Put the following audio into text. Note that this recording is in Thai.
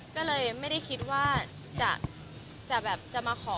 ก็เลยไม่ได้คิดว่าจะมาขอ